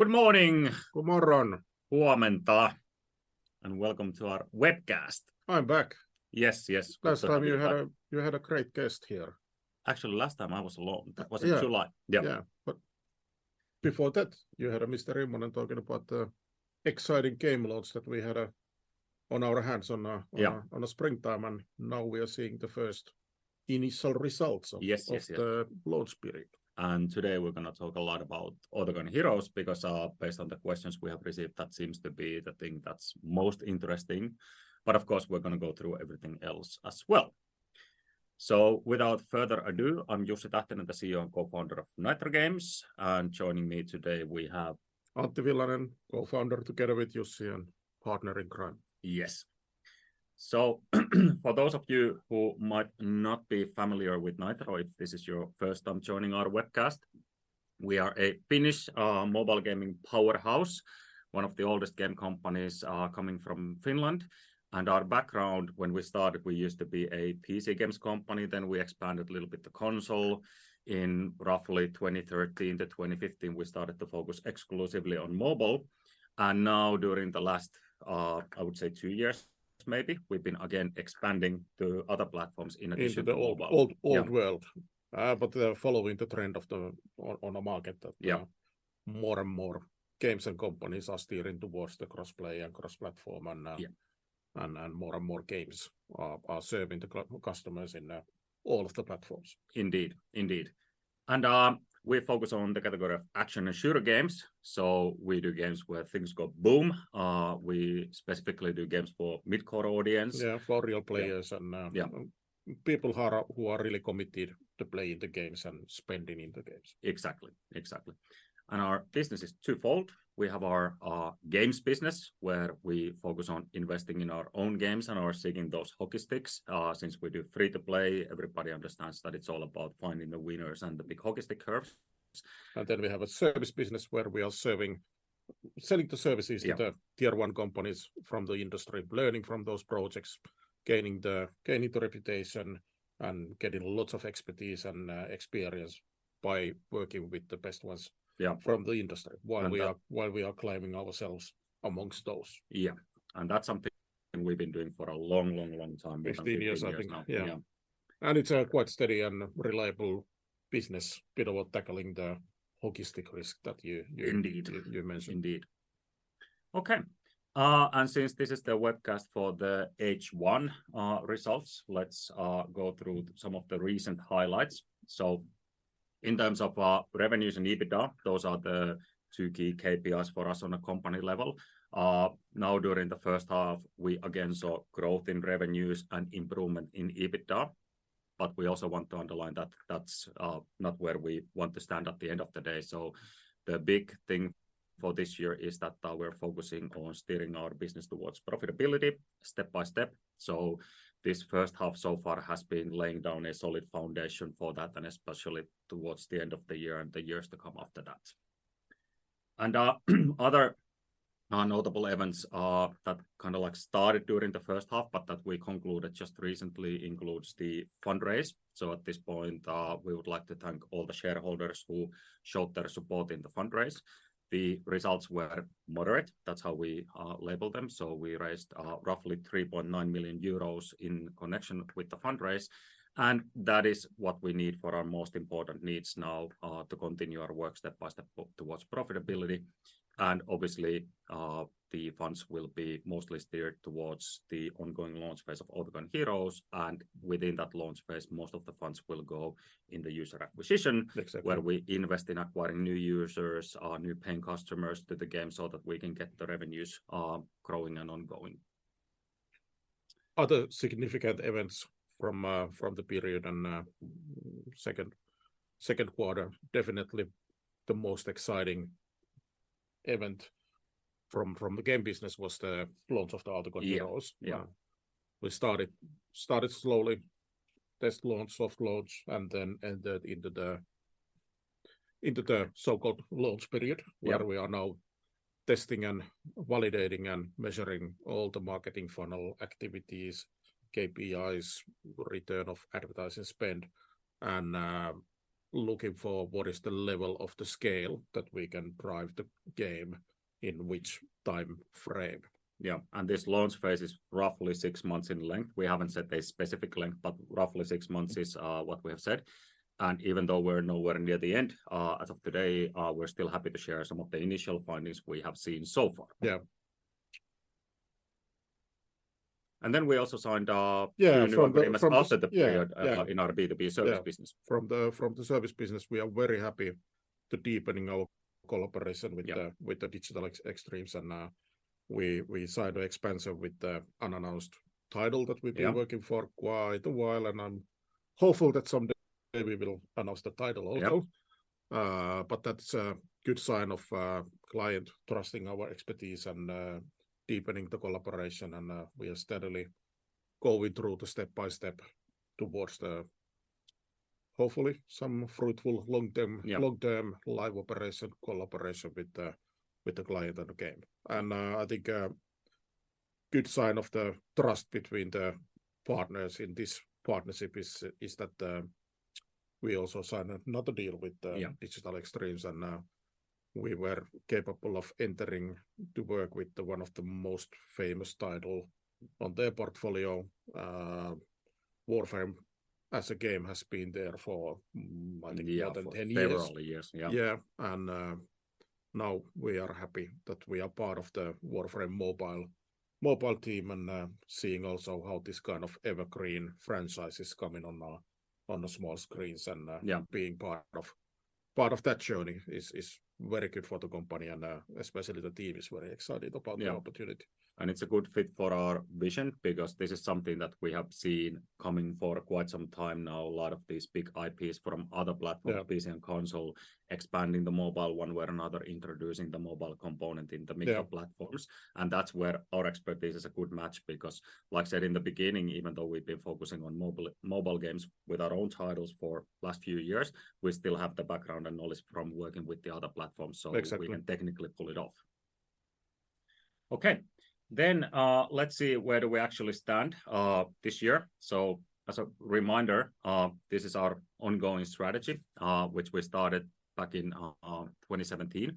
Good morning! Good morning. Huomenta, welcome to our webcast. I'm back. Yes, yes. Last time you had, you had a great guest here. Actually, last time I was alone. Yeah. That was in July. Yeah. Yeah, before that, you had a Mr. Rimonen talking about the exciting game loads that we had, on our hands. Yeah... on a springtime, and now we are seeing the first initial results of. Yes, yes, yes. of the launch period. Today we're gonna talk a lot about Autogun Heroes, because based on the questions we have received, that seems to be the thing that's most interesting. But of course, we're gonna go through everything else as well. So without further ado, I'm Jussi Tähtinen, the CEO and co-founder of Nitro Games, and joining me today, we have- Antti Villanen, Co-founder, together with Jussi, and partner in crime. Yes. For those of you who might not be familiar with Nitro, if this is your first time joining our webcast, we are a Finnish mobile gaming powerhouse, one of the oldest game companies coming from Finland. Our background, when we started, we used to be a PC games company, then we expanded a little bit to console. In roughly 2013 to 2015, we started to focus exclusively on mobile, and now during the last, I would say 2 years, maybe, we've been again expanding to other platforms in addition to mobile. In the old, old world. Yeah. Following the trend of the... on, on the market, that- Yeah... more and more games and companies are steering towards the cross-play and cross-platform, and. Yeah More and more games are serving the customers in all of the platforms. Indeed, indeed. We focus on the category of action and shooter games, so we do games where things go boom. We specifically do games for mid-core audience. Yeah, for real players. Yeah... and people who are, who are really committed to playing the games and spending in the games. Exactly, exactly. Our business is twofold. We have our games business, where we focus on investing in our own games and are seeking those hockey sticks. Since we do Free-to-play, everybody understands that it's all about finding the winners and the big hockey stick curve. We have a service business where we are serving, selling the services. Yeah... to tier one companies from the industry, learning from those projects, gaining the gaining the reputation, and getting lots of expertise and experience by working with the best ones. Yeah... from the industry. And- While we are, while we are claiming ourselves amongst those. Yeah, that's something that we've been doing for a long, long, long time. 15 years, I think now. Yeah. It's a quite steady and reliable business, good about tackling the hockey stick risk that you. Indeed you mentioned. Indeed. Okay, since this is the webcast for the H1 results, let's go through some of the recent highlights. In terms of our revenues and EBITDA, those are the 2 key KPIs for us on a company level. Now, during the first half, we again saw growth in revenues and improvement in EBITDA, but we also want to underline that that's not where we want to stand at the end of the day. The big thing for this year is that we're focusing on steering our business towards profitability step by step. This first half so far has been laying down a solid foundation for that, and especially towards the end of the year and the years to come after that. Other notable events that kind of like started during the first half but that we concluded just recently, includes the fundraise. At this point, we would like to thank all the shareholders who showed their support in the fundraise. The results were moderate. That's how we label them. We raised roughly 3.9 million euros in connection with the fundraise, and that is what we need for our most important needs now, to continue our work step by step towards profitability. Obviously, the funds will be mostly steered towards the ongoing launch phase of Autogun Heroes, and within that launch phase, most of the funds will go in the user acquisition- Exactly... where we invest in acquiring new users, new paying customers to the game, so that we can get the revenues, growing and ongoing. Other significant events from the period and second quarter, definitely the most exciting event from the game business was the launch of the Autogun Heroes. Yeah, yeah. We started slowly, test launch, soft launch, and then ended into the so-called launch period. Yeah... where we are now testing and validating and measuring all the marketing funnel activities, KPIs, return on advertising spend, and looking for what is the level of the scale that we can drive the game in which time frame. Yeah, and this launch phase is roughly six months in length. We haven't set a specific length, but roughly six months is what we have said. Even though we're nowhere near the end, as of today, we're still happy to share some of the initial findings we have seen so far. Yeah. Then we also signed. Yeah... after the period. Yeah, yeah.... in our B2B service business. From the service business, we are very happy to deepening our cooperation with the. Yeah... with the Digital Extremes, and we, we signed an expansion with the unannounced title that we've been- Yeah... working for quite a while, and I'm hopeful that someday we will announce the title also. Yep. That's a good sign of client trusting our expertise and deepening the collaboration, and we are steadily going through the step by step towards the hopefully, some fruitful long-term. Yeah... long-term live operation collaboration with the, with the client and the game. I think a good sign of the trust between the partners in this partnership is, is that we also signed another deal with the- Yeah Digital Extremes, we were capable of entering to work with the one of the most famous title on their portfolio. Warframe as a game has been there for, I think more than 10 years. Several years, yeah. Yeah, and, now we are happy that we are part of the Warframe Mobile, mobile team, and, seeing also how this kind of evergreen franchise is coming on the, on the small screens... Yeah -being part of, part of that journey is, is very good for the company and, especially the team is very excited about- Yeah -the opportunity. It's a good fit for our vision because this is something that we have seen coming for quite some time now. A lot of these big IPs from other platforms- Yeah PC and console, expanding the mobile one way or another, introducing the mobile component in the middle platforms. Yeah. That's where our expertise is a good match, because like I said in the beginning, even though we've been focusing on mobile, mobile games with our own titles for last few years, we still have the background and knowledge from working with the other platforms. Exactly. We can technically pull it off. Okay, then, let's see, where do we actually stand this year? As a reminder, this is our ongoing strategy, which we started back in 2017.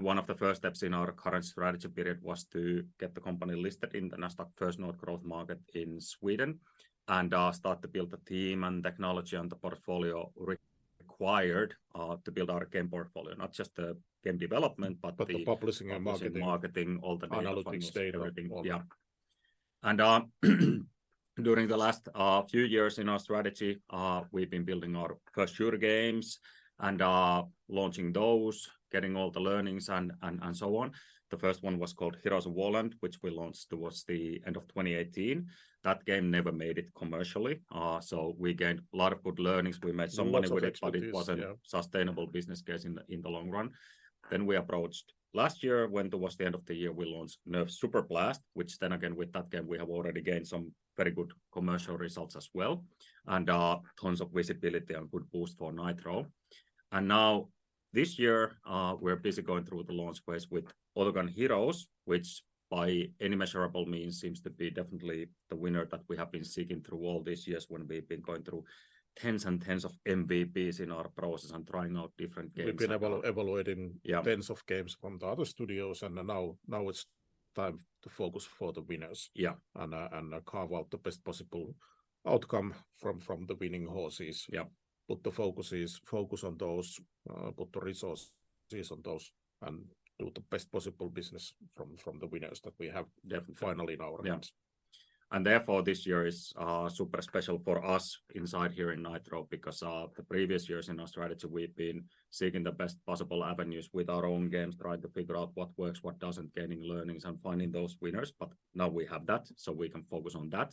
One of the first steps in our current strategy period was to get the company listed in the Nasdaq First North Growth Market in Sweden, and start to build the team and technology and the portfolio re-required to build our game portfolio. Not just the game development, but the- The publishing and marketing. Publishing, marketing, all the analytics. Final state, everything. Yeah. During the last few years in our strategy, we've been building our first few games and launching those, getting all the learnings and, and, and so on. The first one was called Heroes of Warland, which we launched towards the end of 2018. That game never made it commercially, so we gained a lot of good learnings. We made some money with it. Lots of expertise, yeah. it wasn't sustainable business case in the long run. we approached last year, when towards the end of the year, we launched NERF: Superblast, which then again, with that game, we have already gained some very good commercial results as well, and tons of visibility and good boost for Nitro. Now, this year, we're busy going through the launch phase with Autogun Heroes, which by any measurable means, seems to be definitely the winner that we have been seeking through all these years when we've been going through 10s and 10s of MVP in our process and trying out different games. We've been evaluating. Yeah... tens of games from the other studios, now, now it's time to focus for the winners. Yeah... and, and carve out the best possible outcome from, from the winning horses. Yeah. The focus is focus on those, put the resources on those, and build the best possible business from, from the winners that we have definitely finally in our hands. Yeah. Therefore, this year is super special for us inside here in Nitro because the previous years in our strategy, we've been seeking the best possible avenues with our own games, trying to figure out what works, what doesn't, gaining learnings, and finding those winners. Now we have that, so we can focus on that.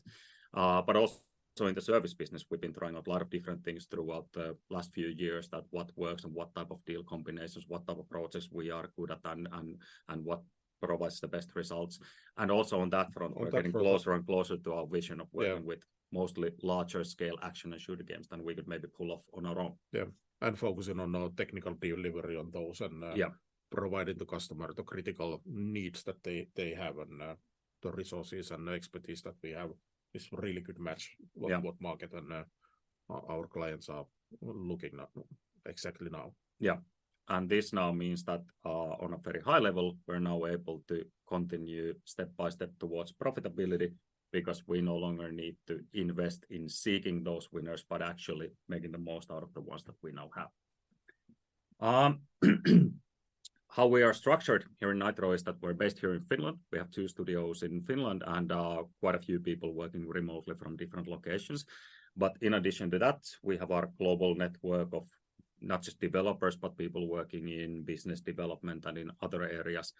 Also in the service business, we've been trying out a lot of different things throughout the last few years that what works and what type of deal combinations, what type of projects we are good at and, and, and what provides the best results. Also on that front. On that front.... we're getting closer and closer to our vision of working- Yeah... with mostly larger scale action and shooter games than we could maybe pull off on our own. Yeah, and focusing on our technical delivery on those and. Yeah... providing the customer the critical needs that they have and the resources and expertise that we have. It's a really good match. Yeah... what market and, our, our clients are looking at exactly now. Yeah. This now means that, on a very high level, we're now able to continue step by step towards profitability, because we no longer need to invest in seeking those winners, but actually making the most out of the ones that we now have. How we are structured here in Nitro is that we're based here in Finland. We have 2 studios in Finland and, quite a few people working remotely from different locations. In addition to that, we have our global network of not just developers, but people working in business development and in other areas.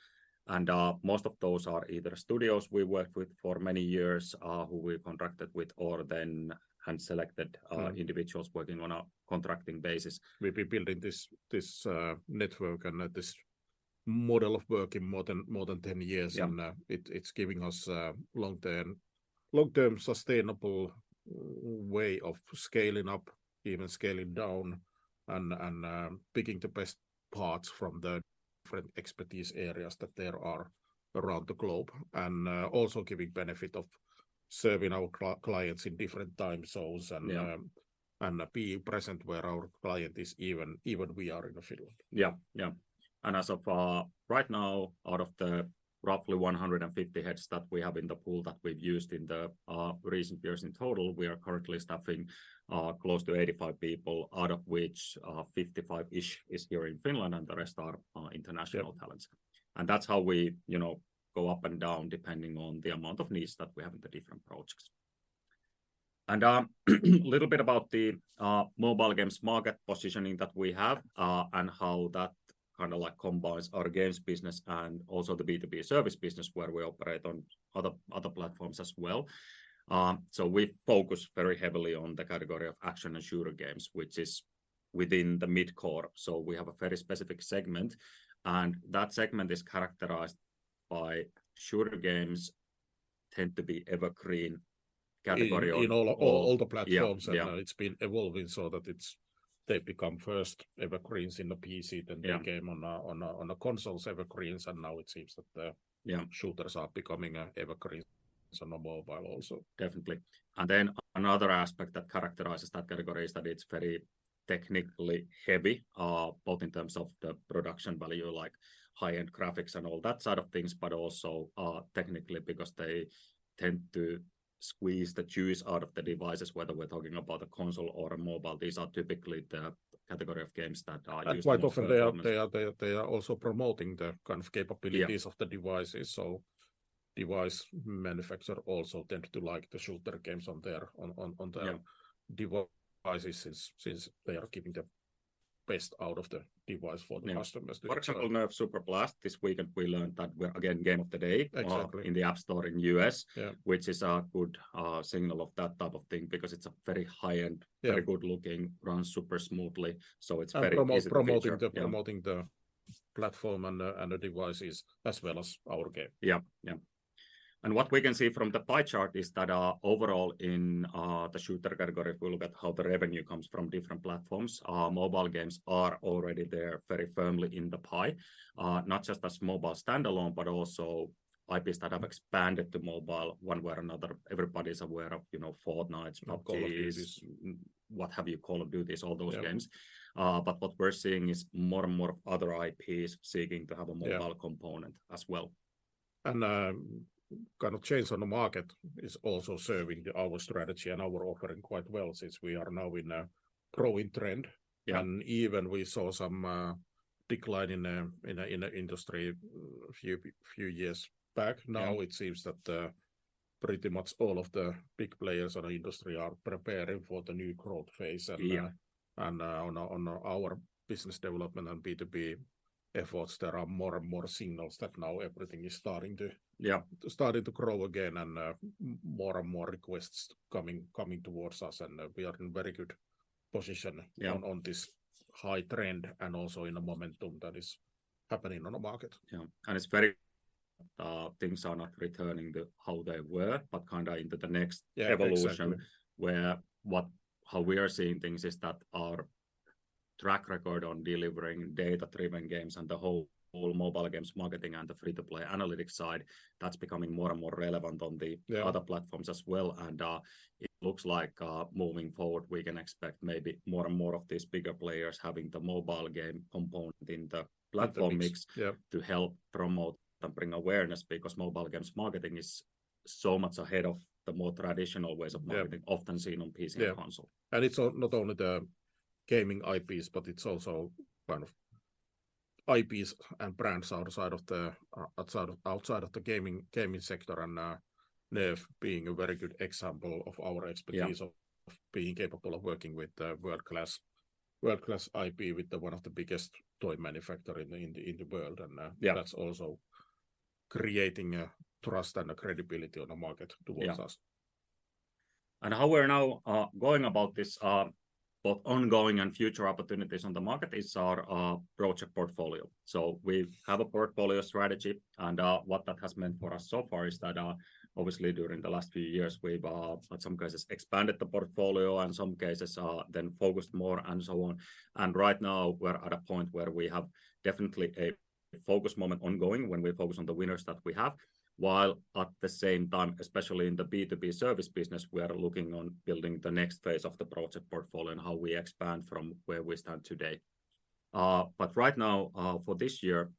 Most of those are either studios we worked with for many years, who we contracted with, or then hand-selected. Mm... individuals working on a contracting basis. We've been building this, this network and this model of working more than, more than 10 years now. Yeah. It's giving us long-term, long-term, sustainable way of scaling up, even scaling down, and, and picking the best parts from the different expertise areas that there are around the globe. Also giving benefit of serving our clients in different time zones. Yeah... and, and be present where our client is, even, even we are in the field. Yeah, yeah. As of right now, out of the roughly 150 heads that we have in the pool that we've used in the recent years, in total, we are currently staffing close to 85 people, out of which 55-ish is here in Finland, and the rest are. Yeah... international talents. That's how we, you know, go up and down, depending on the amount of needs that we have in the different projects. A little bit about the mobile games market positioning that we have, and how that kind of like combines our games business and also the B2B service business, where we operate on other, other platforms as well. We focus very heavily on the category of action and shooter games, which is within the mid-core. We have a very specific segment, and that segment is characterized by shooter games, tend to be evergreen- in all the platforms. Yeah, yeah. It's been evolving so that it's, they've become first evergreens in the PC. Yeah. They came on the consoles, evergreens, and now it seems that the... Yeah shooters are becoming a evergreen on the mobile also. Definitely. Then another aspect that characterizes that category is that it's very technically heavy, both in terms of the production value, like high-end graphics and all that side of things, but also, technically, because they tend to squeeze the juice out of the devices, whether we're talking about a console or a mobile, these are typically the category of games that are used- Quite often they are, they are, they are also promoting the kind of capabilities. Yeah... of the devices. Device manufacturer also tend to like the shooter games on their, on the... Yeah... devices, since they are giving the best out of the device for the customers. For example, NERF: Superblast, this weekend we learned that we're again Game of the Day. Exactly... in the App Store in U.S. Yeah. Which is a good signal of that type of thing, because it's a very high-end. Yeah... very good-looking, runs super smoothly, so it's very- Promoting the. Yeah... promoting the platform and the, and the devices, as well as our game. Yeah, yeah. What we can see from the pie chart is that overall in the shooter category, if we look at how the revenue comes from different platforms, mobile games are already there very firmly in the pie. Not just as mobile standalone, but also IPs that have expanded to mobile one way or another. Everybody is aware of, you know, Fortnites. PUBG. What have you... Call of Duties, all those games. Yeah. What we're seeing is more and more other IPs seeking to have a mobile- Yeah... component as well. kind of change on the market is also serving our strategy and our offering quite well, since we are now in a growing trend. Yeah. Even we saw some decline in the, in the, in the industry a few, few years back. Yeah. Now it seems that, pretty much all of the big players in the industry are preparing for the new growth phase. Yeah... and, on our business development and B2B efforts, there are more and more signals that now everything is starting to- Yeah... starting to grow again, and, more and more requests coming, coming towards us, and, we are in very good position. Yeah... on this high trend and also in the momentum that is happening on the market. Yeah. It's very, things are not returning to how they were, but kind of into the next evolution- Yeah, exactly.... where how we are seeing things is that our track record on delivering data-driven games and the whole mobile games marketing and the free-to-play analytics side, that's becoming more and more relevant. Yeah... other platforms as well. It looks like, moving forward, we can expect maybe more and more of these bigger players having the mobile game component in the platform mix. Yeah to help promote and bring awareness, because mobile games marketing is so much ahead of the more traditional ways of marketing. Yeah... often seen on PC and console. Yeah. It's not only the gaming IPs, but it's also kind of IPs and brands outside of the, outside of, outside of the gaming, gaming sector, and, NERF being a very good example of our expertise. Yeah... of being capable of working with a world-class, world-class IP with the one of the biggest toy manufacturer in the, in the, in the world. And Yeah... that's also creating a trust and a credibility on the market towards us. Yeah. How we're now going about this both ongoing and future opportunities on the market is our project portfolio. We have a portfolio strategy, and what that has meant for us so far is that obviously, during the last few years, we've in some cases expanded the portfolio and some cases then focused more and so on. Right now, we're at a point where we have definitely a focus moment ongoing, when we focus on the winners that we have, while at the same time, especially in the B2B service business, we are looking on building the next phase of the project portfolio and how we expand from where we stand today. Right now, for this year,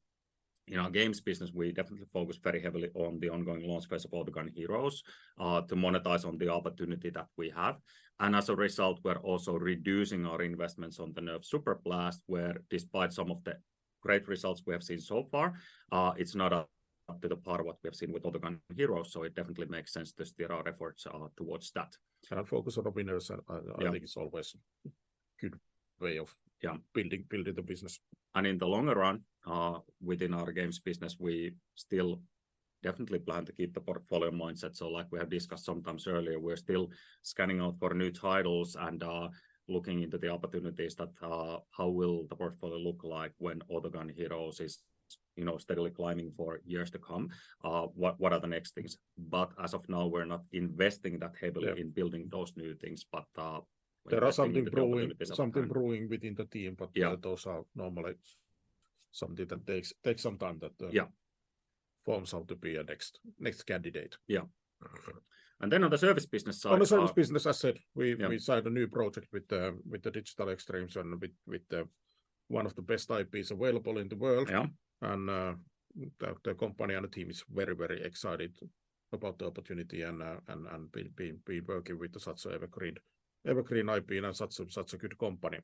in our games business, we definitely focus very heavily on the ongoing launch phase of Autogun Heroes, to monetize on the opportunity that we have. As a result, we're also reducing our investments on the NERF: Superblast, where despite some of the great results we have seen so far, it's not up to the par of what we have seen with Autogun Heroes, so it definitely makes sense to steer our efforts towards that. focus on the winners. Yeah... think is always good way of- Yeah... building, building the business. In the longer run, within our games business, we still definitely plan to keep the portfolio mindset. Like we have discussed sometimes earlier, we're still scanning out for new titles and, looking into the opportunities that, how will the portfolio look like when Autogun Heroes is, you know, steadily climbing for years to come? What, what are the next things? As of now, we're not investing that heavily... Yeah... in building those new things. There are some- There are something brewing, something brewing within the team. Yeah... but those are normally something that takes some time. Yeah forms out to be a next, next candidate. Yeah. Then on the service business side- On the service business, as said, we. Yeah We signed a new project with Digital Extremes and with the one of the best IPs available in the world. Yeah. The, the company and the team is very, very excited about the opportunity and be working with such an evergreen, evergreen IP and such a, such a good company.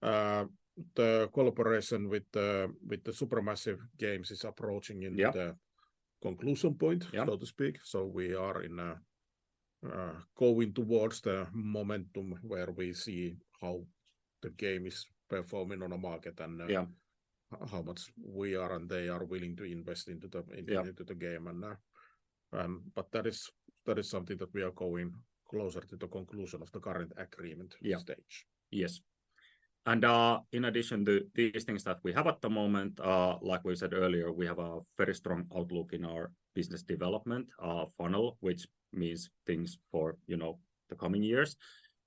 The collaboration with the, with the Supermassive Games is approaching in the- Yeah... conclusion point. Yeah... so to speak. We are in a going towards the momentum where we see how the game is performing on the market. Yeah... how much we are and they are willing to invest into the- Yeah into the game. That is, that is something that we are going closer to the conclusion of the current agreement. Yeah stage. Yes. In addition to these things that we have at the moment, like we said earlier, we have a very strong outlook in our business development funnel, which means things for, you know, the coming years.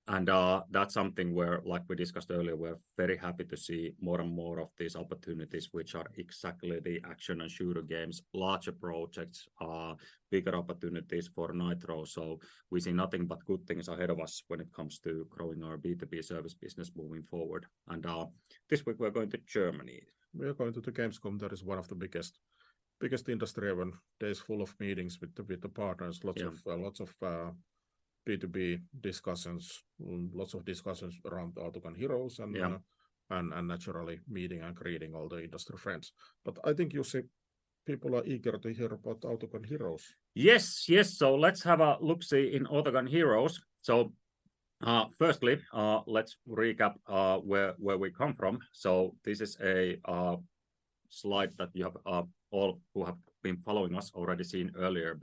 That's something where, like we discussed earlier, we're very happy to see more and more of these opportunities, which are exactly the action and shooter games. Larger projects are bigger opportunities for Nitro, so we see nothing but good things ahead of us when it comes to growing our B2B service business moving forward. This week we're going to Germany. We are going to the Gamescom. That is one of the biggest, biggest industry event. Days full of meetings with the partners. Yeah. Lots of, lots of B2B discussions, and lots of discussions around Autogun Heroes and- Yeah Naturally, meeting and greeting all the industry friends. I think you see people are eager to hear about Autogun Heroes. Yes, yes. Let's have a look-see in Autogun Heroes. Firstly, let's recap, where, where we come from. This is a, slide that you have, all who have been following us already seen earlier.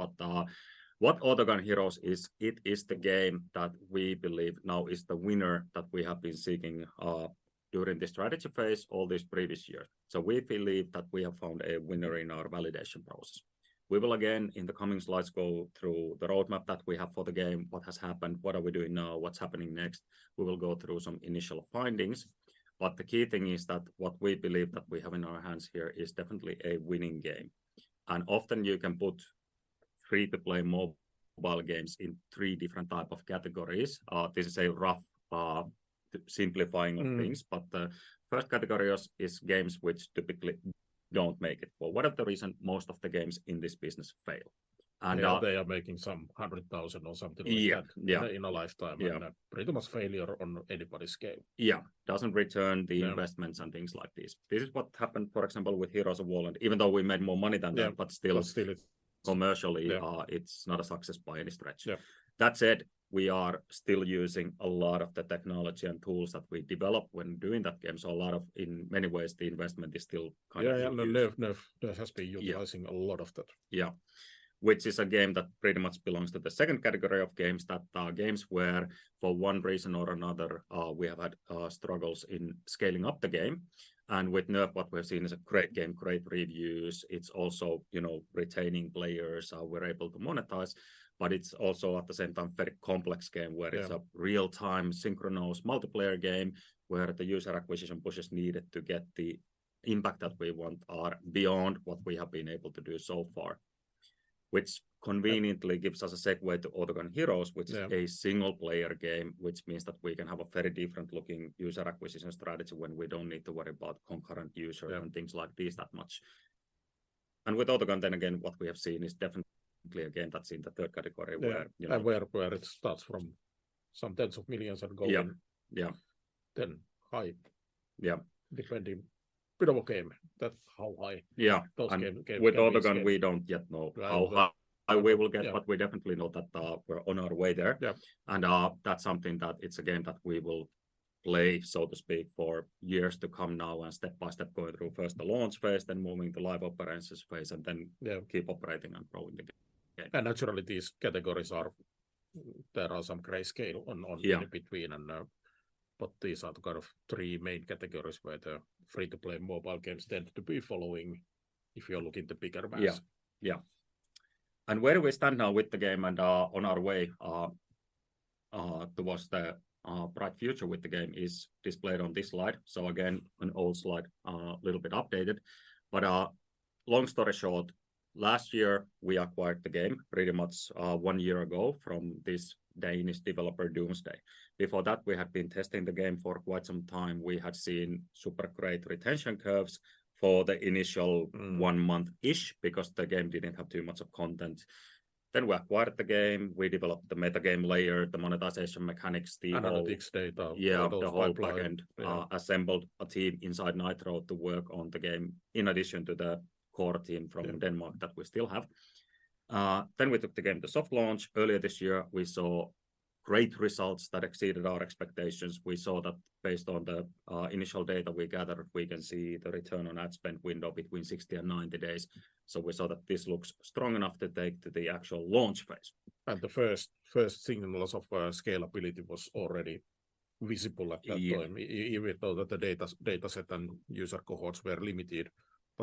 What Autogun Heroes is, it is the game that we believe now is the winner that we have been seeking, during the strategy phase all this previous year. We believe that we have found a winner in our validation process. We will again, in the coming slides, go through the roadmap that we have for the game, what has happened, what are we doing now, what's happening next? We will go through some initial findings, but the key thing is that what we believe that we have in our hands here is definitely a winning game. Often you can put free-to-play mobile games in three different type of categories. This is a rough, simplifying of things. Mm. The first category is, is games which typically don't make it. Well, what are the reason most of the games in this business fail? They are making some 100,000 or something like that. Yeah, yeah.... in a lifetime. Yeah. Pretty much failure on anybody's scale. Yeah. Doesn't return the- Yeah... investments and things like this. This is what happened, for example, with Heroes of Warland. Even though we made more money than them- Yeah... but still- Still. commercially- Yeah it's not a success by any stretch. Yeah. That said, we are still using a lot of the technology and tools that we developed when doing that game. A lot of, in many ways, the investment is still kind of. Yeah, yeah, no, NERF, has been utilizing- Yeah a lot of that. Yeah. Which is a game that pretty much belongs to the second category of games that are games where, for one reason or another, we have had struggles in scaling up the game. And with NERF, what we have seen is a great game, great reviews. It's also, you know, retaining players, we're able to monetize, but it's also at the same time, very complex game. Yeah... where it's a real-time, synchronous, multiplayer game, where the user acquisition pushes needed to get the impact that we want are beyond what we have been able to do so far. Which conveniently gives us a segue to Autogun Heroes. Yeah... which is a single-player game, which means that we can have a very different looking user acquisition strategy when we don't need to worry about concurrent users. Yeah... and things like this that much. With Autogun, then again, what we have seen is definitely again, that's in the third category, where, you know. Where, where it starts from some tens of millions and going... Yeah, yeah. then high. Yeah. Defending bit of a game. That's how high. Yeah. Those game, With Autogun, we don't yet know- Right how high we will get. Yeah We definitely know that, we're on our way there. Yeah. That's something that, it's a game that we will play, so to speak, for years to come now, and step by step, going through first the launch phase, then moving to live operations phase, and then. Yeah... keep operating and growing the game. naturally, these categories are, there are some grayscale on. Yeah... in between and, these are the kind of three main categories where the free-to-play mobile games tend to be following, if you're looking the bigger maps. Yeah, yeah. Where we stand now with the game and on our way towards the bright future with the game is displayed on this slide. Again, an old slide, little bit updated, long story short, last year we acquired the game pretty much 1 year ago from this Danish developer, Doomsday. Before that, we had been testing the game for quite some time. We had seen super great retention curves for the initial- Mm... one month-ish because the game didn't have too much of content. We acquired the game, we developed the meta game layer, the monetization mechanics, the- Analytics data. Yeah, the whole back end. Yeah. assembled a team inside Nitro to work on the game, in addition to the core team. Yeah... from Denmark that we still have. We took the game to soft launch earlier this year. We saw great results that exceeded our expectations. We saw that based on the initial data we gathered, we can see the return on ad spend window between 60 and 90 days. We saw that this looks strong enough to take to the actual launch phase. The first, first signals of scalability was already visible at that time. Yeah... even though that the data set and user cohorts were limited.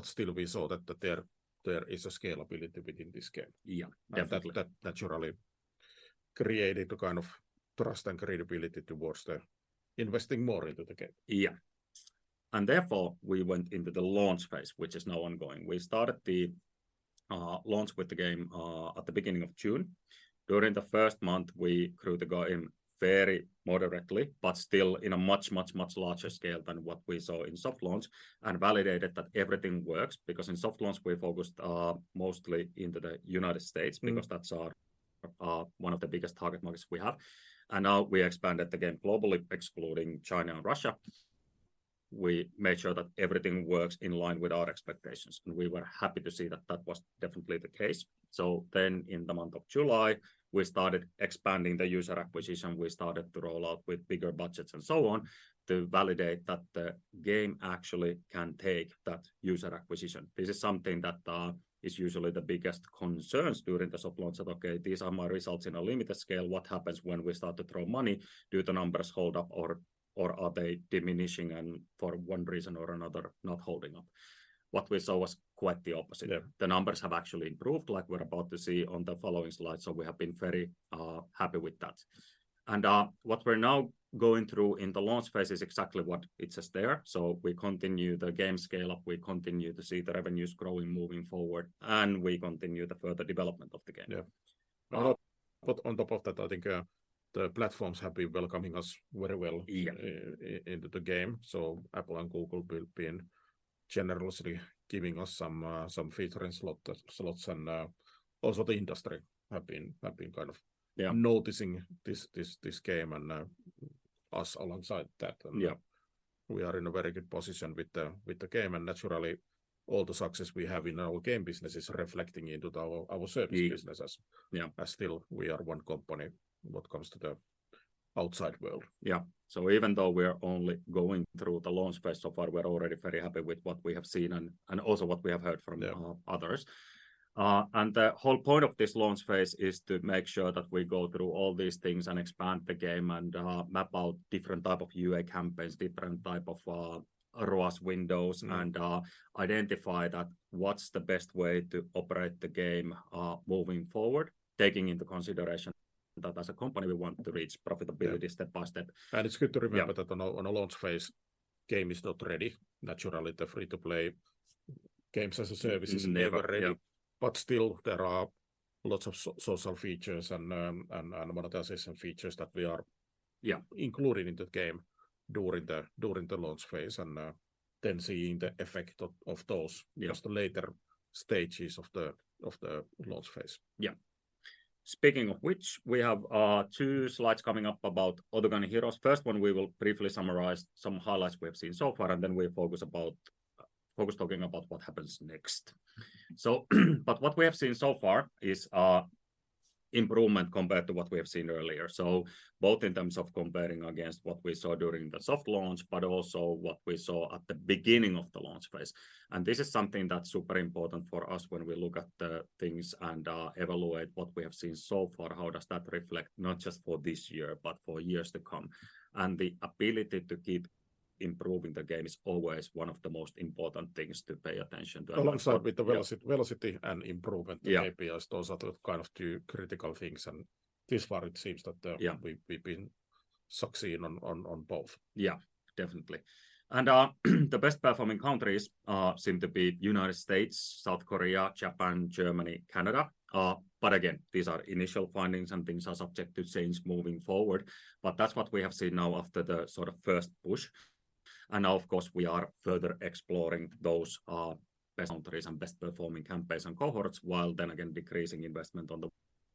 Still we saw that that there, there is a scalability within this game. Yeah, definitely. That, that naturally created a kind of trust and credibility towards the investing more into the game. Yeah. Therefore, we went into the launch phase, which is now ongoing. We started the launch with the game at the beginning of June. During the first month, we grew the game very moderately, but still in a much, much, much larger scale than what we saw in soft launch, and validated that everything works. In soft launch, we focused mostly into the United States. Mm ...because that's our, one of the biggest target markets we have. Now we expanded the game globally, excluding China and Russia. We made sure that everything works in line with our expectations, and we were happy to see that that was definitely the case. Then in the month of July, we started expanding the user acquisition. We started to roll out with bigger budgets and so on, to validate that the game actually can take that user acquisition. This is something that is usually the biggest concerns during the soft launch, that, okay, these are my results in a limited scale. What happens when we start to throw money? Do the numbers hold up or, or are they diminishing and for one reason or another, not holding up? What we saw was quite the opposite. Yeah. The numbers have actually improved, like we're about to see on the following slide, so we have been very happy with that. What we're now going through in the launch phase is exactly what it says there. We continue the game scale up, we continue to see the revenues growing moving forward, and we continue the further development of the game. Yeah. On top of that, I think, the platforms have been welcoming us very well. Yeah... into the game. Apple and Google have been generously giving us some, some featuring slot, slots, and also the industry have been, have been kind of- Yeah Noticing this, this, this game and us alongside that. Yeah. We are in a very good position with the, with the game, and naturally, all the success we have in our game business is reflecting into our, our service business as... Yeah as still we are one company when it comes to the outside world. Yeah. Even though we are only going through the launch phase so far, we are already very happy with what we have seen and, and also what we have heard from... Yeah... others. The whole point of this launch phase is to make sure that we go through all these things and expand the game and, map out different type of UA campaigns, different type of, ROAS windows, and, identify that what's the best way to operate the game, moving forward, taking into consideration that as a company, we want to reach profitability. Yeah... step by step. It's good to remember. Yeah... that on a, on a launch phase, game is not ready. Naturally, the Free-to-play game as a service is never ready. Mm-hmm. Yep. still there are lots of social features and monetization features that we are- Yeah... including in the game during the launch phase, and then seeing the effect of, of those. Yeah ...just later stages of the, of the launch phase. Yeah. Speaking of which, we have two slides coming up about Autogun Heroes. First one, we will briefly summarize some highlights we have seen so far. Then we focus about focus talking about what happens next. What we have seen so far is improvement compared to what we have seen earlier. Both in terms of comparing against what we saw during the soft launch, but also what we saw at the beginning of the launch phase. This is something that's super important for us when we look at the things and evaluate what we have seen so far, how does that reflect not just for this year, but for years to come, and the ability to keep improving the game is always one of the most important things to pay attention to. Along with the velocity, velocity and improvement. Yeah... KPIs, those are the kind of two critical things, and this far it seems that. Yeah... we've been succeeding on both. Yeah, definitely. The best performing countries seem to be United States, South Korea, Japan, Germany, Canada. Again, these are initial findings, and things are subject to change moving forward. That's what we have seen now after the sort of first push, and now, of course, we are further exploring those best countries and best performing campaigns and cohorts, while then again, decreasing investment on the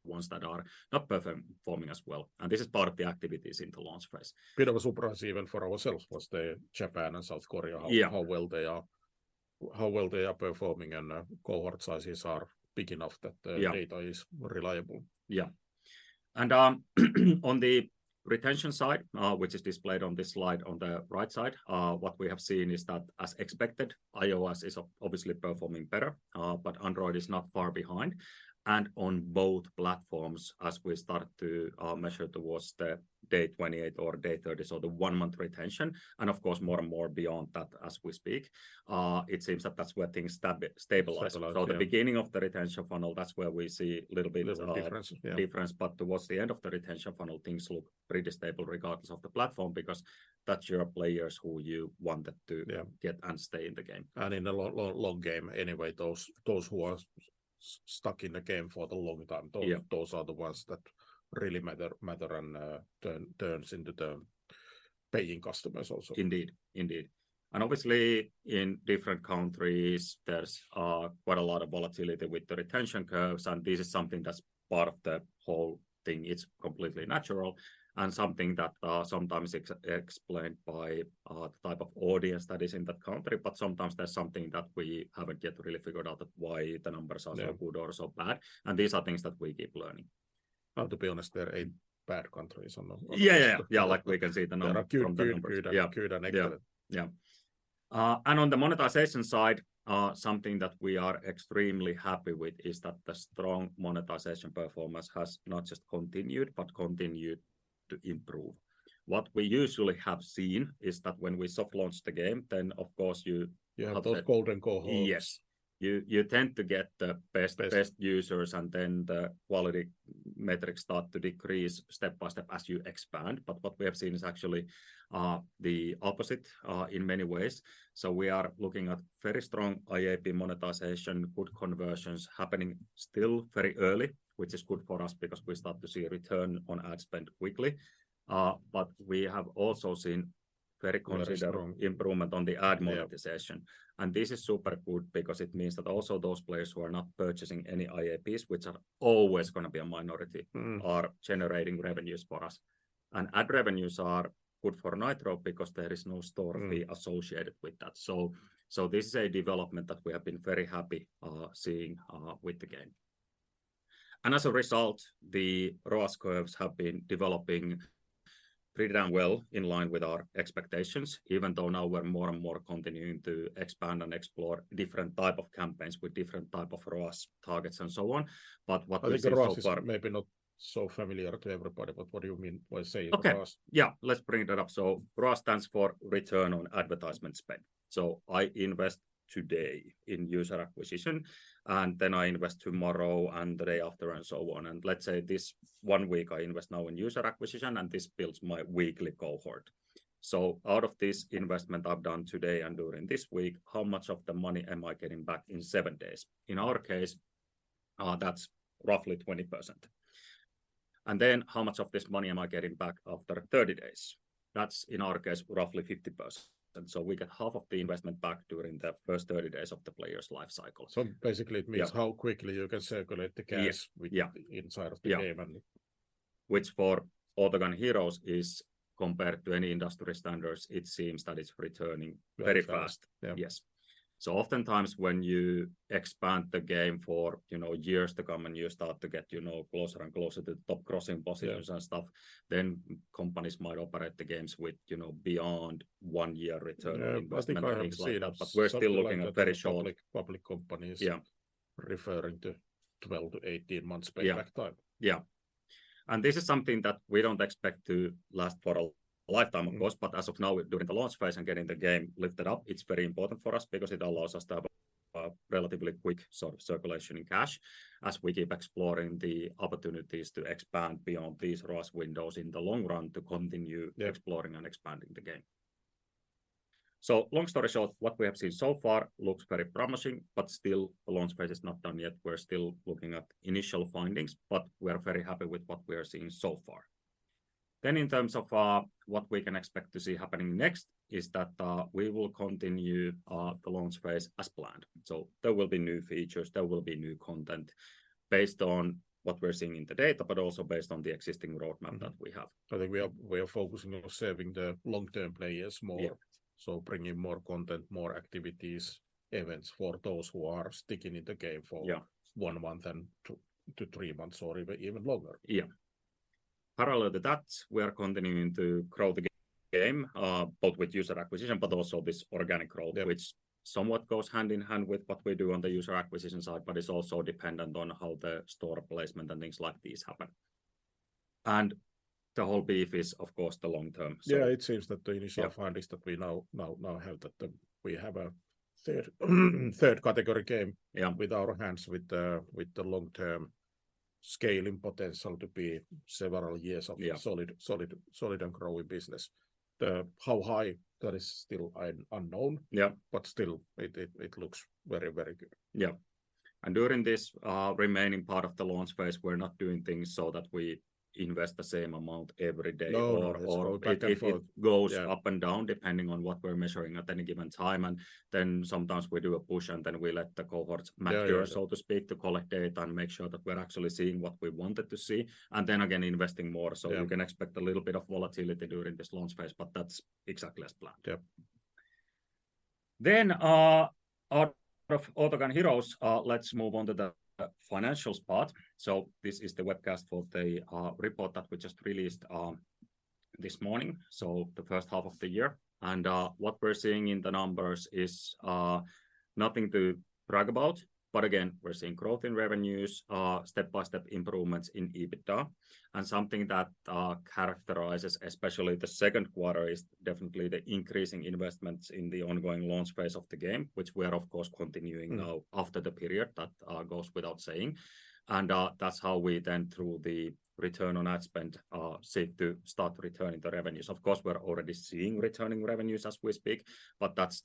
ones that are not performing as well. This is part of the activities in the launch phase. Bit of a surprise even for ourselves was the Japan and South Korea. Yeah... how well they are, how well they are performing, and, cohort sizes are big enough that the. Yeah data is reliable. Yeah. On the retention side, which is displayed on this slide on the right side, what we have seen is that, as expected, iOS is obviously performing better, but Android is not far behind. On both platforms, as we start to measure towards the day 28 or day 30, so the one-month retention, and of course, more and more beyond that as we speak, it seems that that's where things stabilize. Stabilize, yeah. The beginning of the retention funnel, that's where we see little bit. Little difference. Yeah.... difference, but towards the end of the retention funnel, things look pretty stable regardless of the platform, because that's your players who you want them to- Yeah get and stay in the game. In the long game anyway, those who are stuck in the game for the long time. Yeah... those are the ones that really matter, matter and turns into the paying customers also. Indeed, indeed. Obviously, in different countries, there's quite a lot of volatility with the retention curves, and this is something that's part of the whole thing. It's completely natural and something that sometimes explained by the type of audience that is in that country, but sometimes there's something that we haven't yet really figured out that why the numbers are- Yeah... so good or so bad, and these are things that we keep learning. Well, to be honest, there ain't bad countries on the- Yeah, yeah. Yeah, like we can see the number- There are good- From the numbers... good and yeah, good and excellent. Yeah. Yeah. On the monetization side, something that we are extremely happy with is that the strong monetization performance has not just continued, but continued to improve. What we usually have seen is that when we soft launch the game. You have those golden cohorts. Yes. You, you tend to get the best- Best... best users, and then the quality metrics start to decrease step by step as you expand. What we have seen is actually, the opposite, in many ways. We are looking at very strong IAP monetization, good conversions happening still very early, which is good for us because we start to see a Return on Ad Spend quickly. We have also seen very considerable- Very strong.... improvement on the Ad monetization. Yeah. This is super good because it means that also those players who are not purchasing any IAPs, which are always gonna be a minority. Mm-hmm... are generating revenues for us. and ad revenues are good for Nitro because there is no store fee associated with that. So this is a development that we have been very happy seeing with the game. As a result, the ROAS curves have been developing pretty damn well in line with our expectations, even though now we're more and more continuing to expand and explore different type of campaigns with different type of ROAS targets and so on. What we see so far- I think ROAS is maybe not so familiar to everybody, but what do you mean by saying ROAS? Okay. Yeah, let's bring that up. ROAS stands for Return on Ad Spend. I invest today in user acquisition, and then I invest tomorrow and the day after, and so on. Let's say this one week I invest now in user acquisition, and this builds my weekly cohort. Out of this investment I've done today and during this week, how much of the money am I getting back in seven days? In our case, that's roughly 20%. Then, how much of this money am I getting back after 30 days? That's, in our case, roughly 50%. We get half of the investment back during the first 30 days of the player's life cycle. Basically, it means. Yeah... how quickly you can circulate the cash... Yes. Yeah.... inside of the game. Yeah. Which for Autogun Heroes is, compared to any industry standards, it seems that it's returning very fast. Yeah. Yes. Oftentimes when you expand the game for, you know, years to come, and you start to get, you know, closer and closer to the top grossing positions and stuff. Yeah companies might operate the games with, you know, beyond one year return on investment. Yeah, I think I have seen that. We're still looking at very short- Public, public companies- Yeah referring to 12-18 months payback time. Yeah, yeah. This is something that we don't expect to last for a lifetime, of course, but as of now, we're doing the launch phase and getting the game lifted up. It's very important for us because it allows us to have a, a relatively quick sort of circulation in cash as we keep exploring the opportunities to expand beyond these ROAS windows in the long run, to continue exploring and expanding the game. Long story short, what we have seen so far looks very promising, but still, the launch phase is not done yet. We're still looking at initial findings, but we are very happy with what we are seeing so far. In terms of what we can expect to see happening next, is that we will continue the launch phase as planned. There will be new features, there will be new content based on what we're seeing in the data, but also based on the existing roadmap that we have. I think we are focusing on serving the long-term players more. Yeah. Bringing more content, more activities, events for those who are sticking in the game. Yeah... 1 month and 2-3 months, or even, even longer. Yeah. Parallel to that, we are continuing to grow the game, both with user acquisition, but also this organic growth. Yeah... which somewhat goes hand in hand with what we do on the user acquisition side, but is also dependent on how the store placement and things like these happen. The whole beef is, of course, the long term. Yeah, it seems that. Yeah... findings that we now have, that we have a third category game. Yeah... with our hands, with the, with the long-term scaling potential to be several years of. Yeah... solid, solid, solid and growing business. The how high, that is still unknown. Yeah. Still, it looks very, very good. Yeah. During this remaining part of the launch phase, we're not doing things so that we invest the same amount every day. No, it's... It, it goes up and down, depending on what we're measuring at any given time. Then sometimes we do a push, and then we let the cohorts mature. Yeah, yeah.... so to speak, to collect data and make sure that we're actually seeing what we wanted to see, and then again, investing more. Yeah. You can expect a little bit of volatility during this launch phase, but that's exactly as planned. Yeah. Out of Autogun Heroes, let's move on to the financials part. This is the webcast for the report that we just released this morning, so the first half of the year. What we're seeing in the numbers is nothing to brag about, but again, we're seeing growth in revenues, step-by-step improvements in EBITDA. Something that characterizes, especially the second quarter, is definitely the increasing investments in the ongoing launch phase of the game, which we are, of course, continuing after the period. That goes without saying. That's how we then, through the Return on Ad Spend, seek to start returning the revenues. Of course, we're already seeing returning revenues as we speak, but that's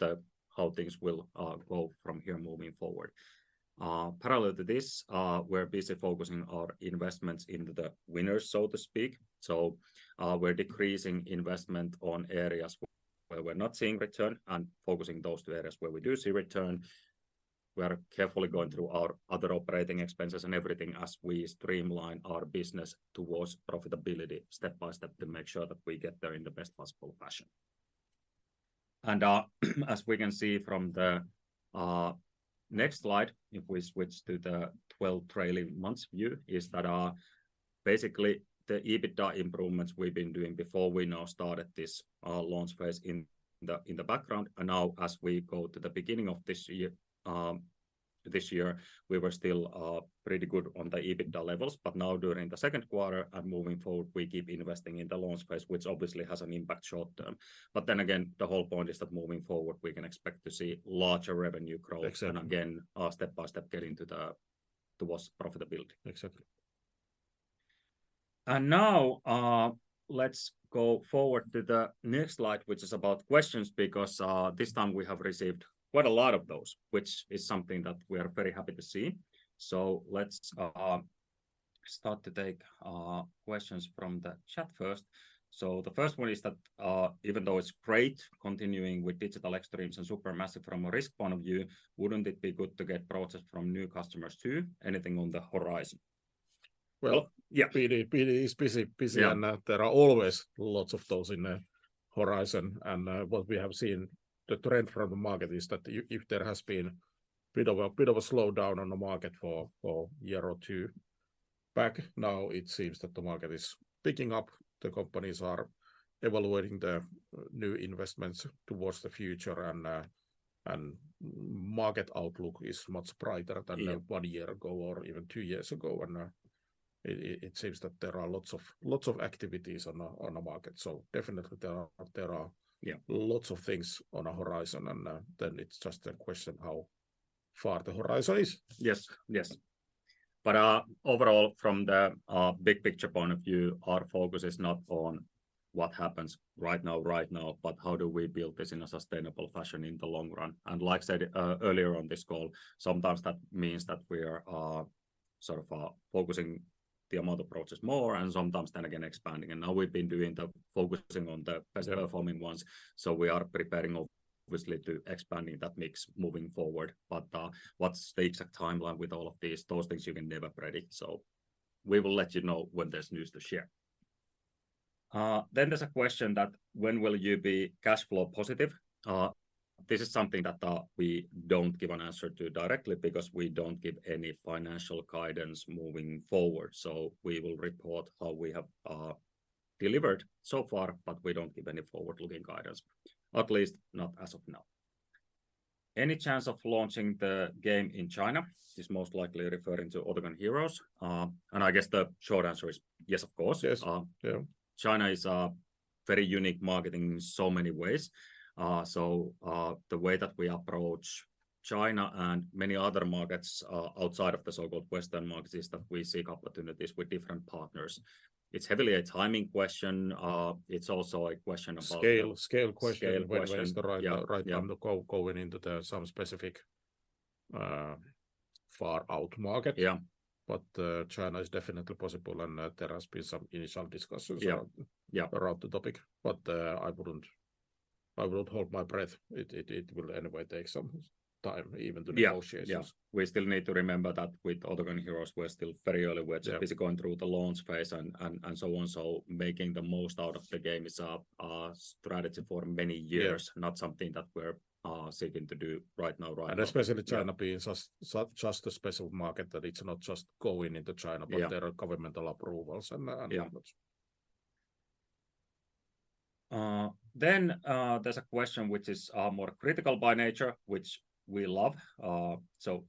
how things will go from here moving forward. Parallel to this, we're basically focusing our investments into the winners, so to speak. We're decreasing investment on areas where we're not seeing return and focusing those to areas where we do see return. We are carefully going through our other operating expenses and everything as we streamline our business towards profitability, step by step, to make sure that we get there in the best possible fashion. As we can see from the next slide, if we switch to the 12 trailing months view, is that basically the EBITDA improvements we've been doing before we now started this launch phase in the background. Now, as we go to the beginning of this year, this year, we were still pretty good on the EBITDA levels. Now, during the second quarter and moving forward, we keep investing in the launch phase, which obviously has an impact short term. Then again, the whole point is that moving forward, we can expect to see larger revenue growth. Exactly... and again, step by step, getting to the, towards profitability. Exactly. Now, let's go forward to the next slide, which is about questions, because this time we have received quite a lot of those, which is something that we are very happy to see. Let's start to take questions from the chat first. The first one is that, "Even though it's great continuing with Digital Extremes and Supermassive from a risk point of view, wouldn't it be good to get products from new customers too? Anything on the horizon? Well, yeah, PD, PD is busy, busy. Yeah. There are always lots of those in the horizon. What we have seen, the trend from the market is that if, if there has been a bit of a, bit of a slowdown on the market for, for a year or 2 back, now it seems that the market is picking up. The companies are evaluating the new investments towards the future, and, and market outlook is much brighter than. Yeah... one year ago or even two years ago. It seems that there are lots of, lots of activities on the, on the market. Definitely there are. Yeah... lots of things on the horizon, and, then it's just a question how far the horizon is. Yes, yes. Overall, from the big picture point of view, our focus is not on what happens right now, right now, but how do we build this in a sustainable fashion in the long run? Like I said, earlier on this call, sometimes that means that we are, sort of, focusing the amount approaches more and sometimes then again, expanding. Now we've been doing the focusing on the best performing ones, we are preparing obviously, to expanding that mix moving forward. What stage and timeline with all of these, those things you can never predict. We will let you know when there's news to share. Then there's a question that, "When will you be cash flow positive?" This is something that we don't give an answer to directly because we don't give any financial guidance moving forward. We will report how we have delivered so far, but we don't give any forward-looking guidance, at least not as of now. "Any chance of launching the game in China?" This most likely referring to Autogun Heroes. I guess the short answer is yes, of course. Yes. Yeah. China is a very unique market in so many ways. The way that we approach China and many other markets, outside of the so-called Western markets, is that we seek opportunities with different partners. It's heavily a timing question. It's also a question about... Scale. Scale question. Scale question. When is the right, right time to going into the some specific, far out market? Yeah. China is definitely possible, and there has been some initial discussions. Yeah, yeah.... around the topic, but I wouldn't, I wouldn't hold my breath. It, it, it will anyway take some time even to negotiate. Yeah, yeah. We still need to remember that with Autogun Heroes, we're still very early. Yeah. We're busy going through the launch phase and so on. Making the most out of the game is our strategy for many years. Yeah... not something that we're seeking to do right now, right now. Especially China being such, such, such a special market, that it's not just going into China. Yeah... but there are governmental approvals and. Yeah much. There's a question which is more critical by nature, which we love.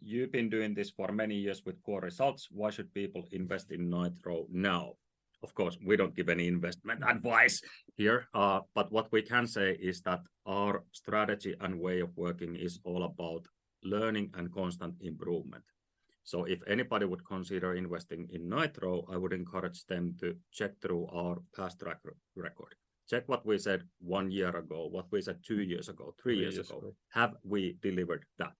"You've been doing this for many years with core results. Why should people invest in Nitro now?" Of course, we don't give any investment advice here, but what we can say is that our strategy and way of working is all about learning and constant improvement. If anybody would consider investing in Nitro, I would encourage them to check through our past track record. Check what we said one year ago, what we said two years ago, three years ago. 3 years ago. Have we delivered that?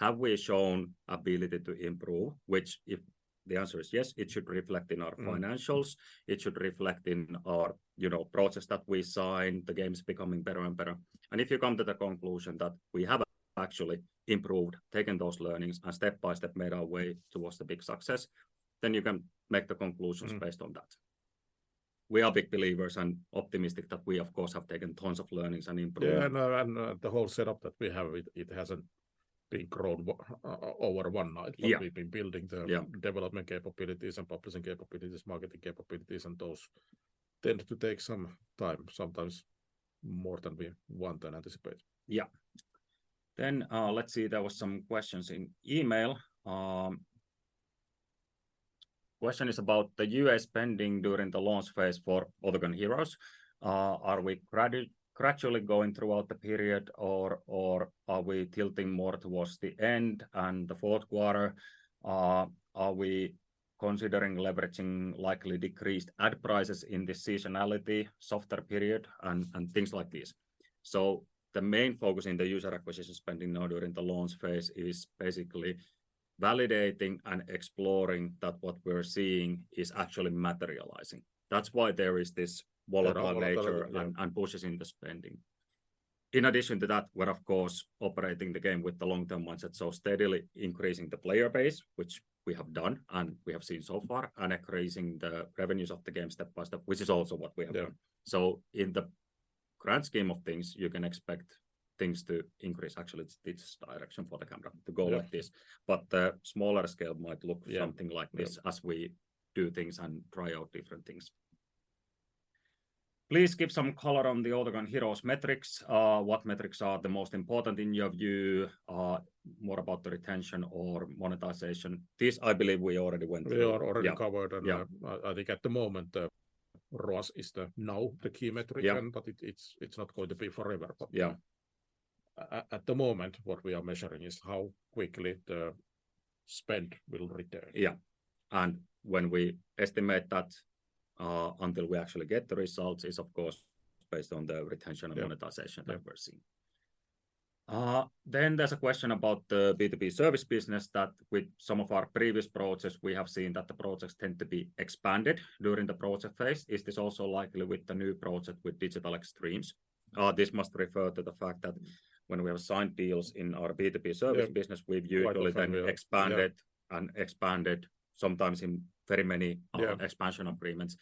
Have we shown ability to improve? Which, if the answer is yes, it should reflect in our financials. Mm... it should reflect in our, you know, process that we saw in the games becoming better and better. If you come to the conclusion that we have actually improved, taken those learnings, and step by step, made our way towards the big success, then you can make the conclusions... Mm... based on that. We are big believers and optimistic that we, of course, have taken tons of learnings and improvements. Yeah, the whole setup that we have, it, it hasn't been grown over one night. Yeah. We've been building the. Yeah... development capabilities and publishing capabilities, marketing capabilities, and those tend to take some time, sometimes more than we want and anticipate. Yeah. Let's see. There was some questions in email. Question is about the U.S. spending during the launch phase for Autogun Heroes. Are we gradually going throughout the period, or are we tilting more towards the end and the fourth quarter? Are we considering leveraging likely decreased ad prices in seasonality, softer period, and things like this? The main focus in the user acquisition spending now during the launch phase is basically validating and exploring that what we're seeing is actually materializing. That's why there is this volatile nature- Volatile, yeah.... and pushes in the spending. In addition to that, we're of course, operating the game with the long-term mindset, so steadily increasing the player base, which we have done and we have seen so far, and increasing the revenues of the game step by step, which is also what we have done. Yeah. In the grand scheme of things, you can expect things to increase. Actually, it's this direction for the camera to go like this. Yeah. The smaller scale might look. Yeah... something like this as we do things and try out different things. "Please give some color on the Autogun Heroes metrics. What metrics are the most important in your view? More about the retention or monetization?" This, I believe we already went through. We already covered. Yeah, yeah. I, I think at the moment, the ROAS is the now the key metric. Yeah. It, it's, it's not going to be forever. Yeah. At the moment, what we are measuring is how quickly the spend will return. Yeah. When we estimate that, until we actually get the results is, of course, based on the retention and- Yeah... monetization that we're seeing. There's a question about the B2B service business that with some of our previous projects, we have seen that the projects tend to be expanded during the project phase. Is this also likely with the new project with Digital Extremes? This must refer to the fact that when we have signed deals in our B2B service business. Yeah. We've usually then expanded. Yeah... and expanded, sometimes in very many- Yeah expansion agreements,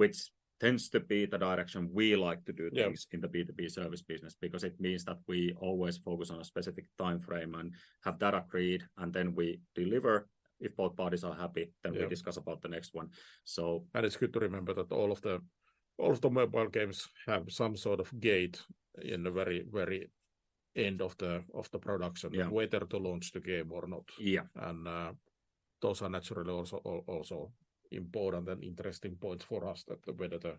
which tends to be the direction we like to do things. Yeah... in the B2B service business, because it means that we always focus on a specific timeframe and have that agreed, and then we deliver. If both parties are happy- Yeah We discuss about the next one. It's good to remember that all of the, all of the mobile games have some sort of gate in the very, very end of the, of the production. Yeah whether to launch the game or not. Yeah. Those are naturally also, also important and interesting points for us, that whether the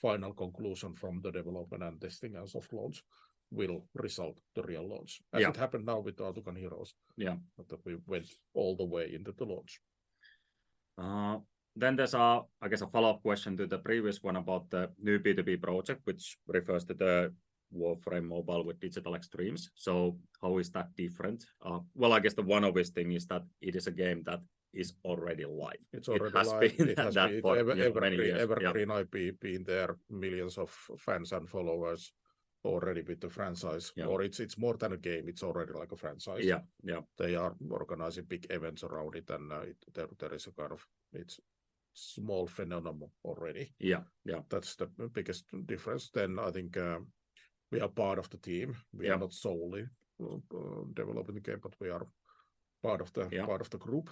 final conclusion from the development and testing as of launch will result the real launch. Yeah. As it happened now with the Autogun Heroes. Yeah. We went all the way into the launch. There's a, I guess, a follow-up question to the previous one about the new B2B project, which refers to the Warframe Mobile with Digital Extremes. How is that different? Well, I guess the one obvious thing is that it is a game that is already live. It's already live. It has been at that point for many years. Evergreen IP, been there, millions of fans and followers already with the franchise. Yeah. It's, it's more than a game, it's already like a franchise. Yeah, yeah. They are organizing big events around it, and there is a kind of. It's small phenomenon already. Yeah, yeah. That's the biggest difference. I think, we are part of the team. Yeah. We are not solely developing the game, but we are part of the- Yeah... part of the group.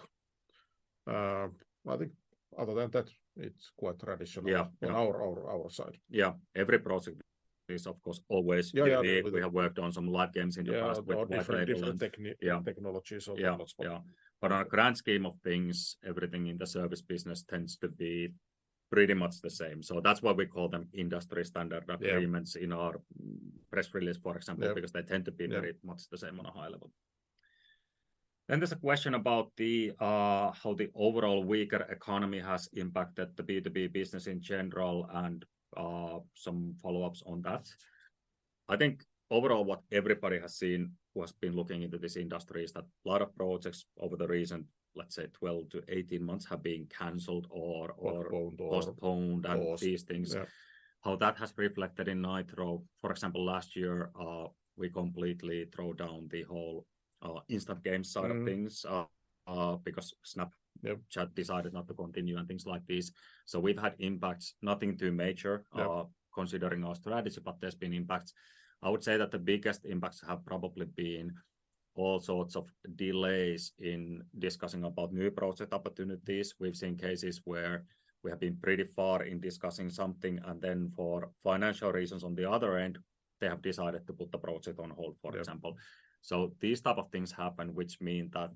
I think other than that, it's quite traditional- Yeah... on our side. Yeah, every project is of course, always- Yeah, yeah. We have worked on some live games in the past. Yeah, with different techniques. Yeah... technologies or techniques. Yeah, yeah. On a grand scheme of things, everything in the service business tends to be pretty much the same. That's why we call them industry standard agreements. Yeah in our press release, for example. Yeah... because they tend to be- Yeah... pretty much the same on a high level. There's a question about the how the overall weaker economy has impacted the B2B business in general, and some follow-ups on that. I think overall, what everybody has seen who has been looking into this industry is that a lot of projects over the recent, let's say, 12 to 18 months, have been canceled. Postponed or- Postponed. Pause... These things. Yeah. How that has reflected in Nitro, for example, last year, we completely throw down the whole, instant game side- Mm... of things, because Snap- Yeah... Chat decided not to continue and things like this. We've had impacts. Nothing too major- Yeah ...considering our strategy, there's been impacts. I would say that the biggest impacts have probably been all sorts of delays in discussing about new project opportunities. We've seen cases where we have been pretty far in discussing something, and then for financial reasons on the other end, they have decided to put the project on hold, for example. Yeah. These type of things happen, which mean that.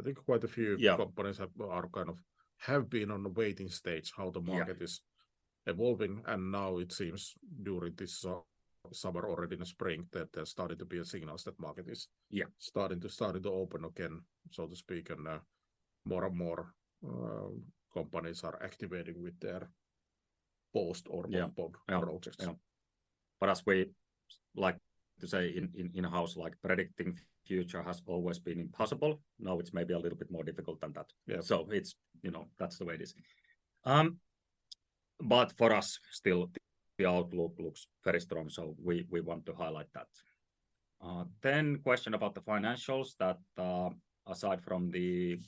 I think quite a few. Yeah... companies have, are kind of, have been on a waiting stage, how the market- Yeah... is evolving. Now it seems during this summer, already in the spring, that there started to be a signals that market is... Yeah... started to open again, so to speak. More and more companies are activating with their post or- Yeah ...projects. Yeah. As we like to say in-house, like, predicting future has always been impossible. Now it's maybe a little bit more difficult than that. Yeah. It's, you know, that's the way it is. But for us, still, the outlook looks very strong, so we, we want to highlight that. Question about the financials that, aside from the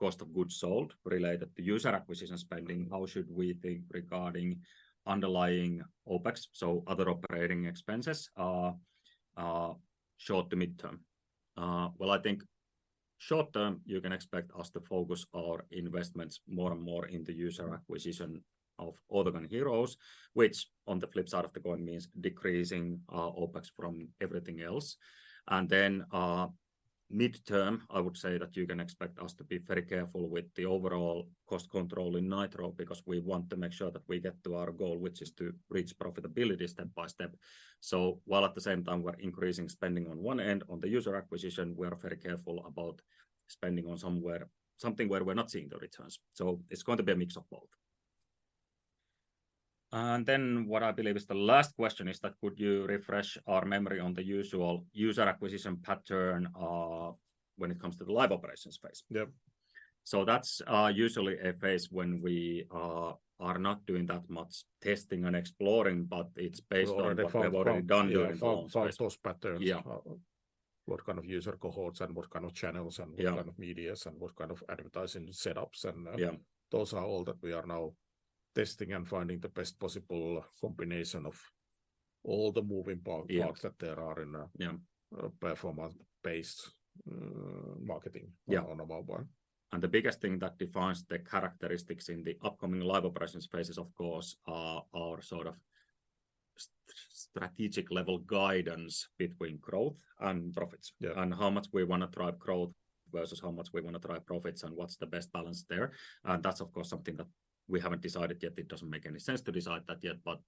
cost of goods sold related to user acquisition spending, how should we think regarding underlying OPEX? Other operating expenses are short to mid-term. Well, I think short-term, you can expect us to focus our investments more and more into user acquisition of Autogun Heroes, which on the flip side of the coin, means decreasing our OPEX from everything else. Then, mid-term, I would say that you can expect us to be very careful with the overall cost control in Nitro, because we want to make sure that we get to our goal, which is to reach profitability step by step. While at the same time we're increasing spending on one end on the user acquisition, we are very careful about spending on somewhere, something where we're not seeing the returns. It's going to be a mix of both. Then, what I believe is the last question is that: Could you refresh our memory on the usual user acquisition pattern when it comes to the live operations phase? Yeah. That's, usually a phase when we, are not doing that much testing and exploring, but it's based on- What we found. what we've already done during. Found those patterns. Yeah. What kind of user cohorts and what kind of channels... Yeah... and what kind of medias and what kind of advertising setups, and, Yeah... those are all that we are now testing and finding the best possible combination of all the moving parts. Yeah... parts that there are in. Yeah... performance-based, mm, marketing- Yeah... on mobile. The biggest thing that defines the characteristics in the upcoming live operations phases, of course, are sort of strategic level guidance between growth and profits. Yeah. How much we want to drive growth versus how much we want to drive profits, and what's the best balance there. That's, of course, something that we haven't decided yet. It doesn't make any sense to decide that yet, but,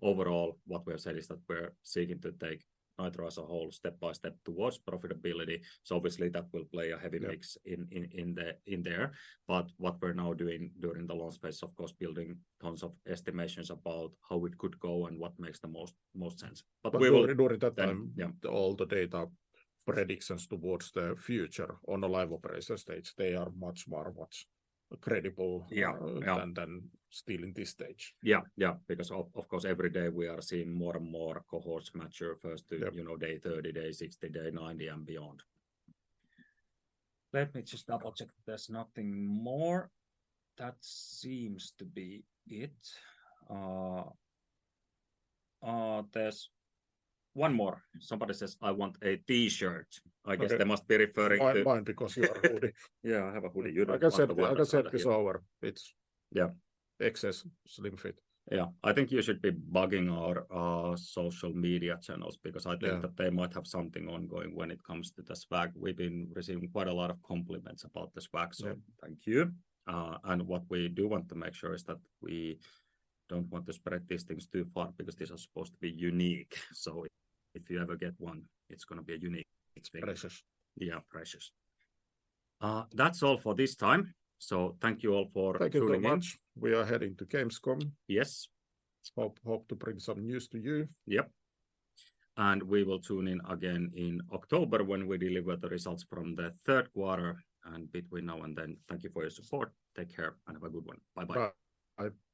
overall, what we have said is that we're seeking to take Nitro as a whole step by step towards profitability. Obviously, that will play a heavy mix- Yeah... in there. What we're now doing during the launch phase, of course, building tons of estimations about how it could go and what makes the most, most sense. We will, during that time- Yeah... all the data predictions towards the future on the live operation stage, they are much more, much credible. Yeah, yeah.... than still in this stage. Yeah, yeah. Because of, of course, every day we are seeing more and more cohorts mature first to- Yeah... you know, day 30, day 60, day 90, and beyond. Let me just double-check there's nothing more. That seems to be it. There's one more. Somebody says: "I want a T-shirt. Okay. I guess they must be referring to- Mine, because you are hoodie. Yeah, I have a hoodie. You don't want- I guess, I guess that is our. Yeah XS, slim fit. Yeah. I think you should be bugging our social media channels, because I think- Yeah... that they might have something ongoing when it comes to the swag. We've been receiving quite a lot of compliments about the swag. Yeah. Thank you. What we do want to make sure is that we don't want to spread these things too far, because these are supposed to be unique. If you ever get one, it's gonna be a unique experience. Precious. Yeah, precious. That's all for this time. Thank you all for tuning in. Thank you very much. We are heading to Gamescom. Yes. Hope, hope to bring some news to you. Yep. We will tune in again in October when we deliver the results from the third quarter. Between now and then, thank you for your support. Take care, and have a good one. Bye-bye. Bye-bye.